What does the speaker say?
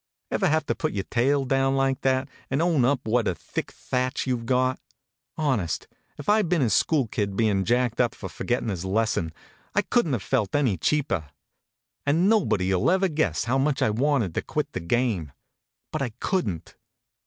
Ever have to put your tail down like that and own up what a thick thatch you ve got? Honest, if I d been a school kid bein jacked up for f orgettin his lesson, I couldn t have felt any cheaper. And nobody ll ever guess how much I wanted to quit the game. But I couldn t.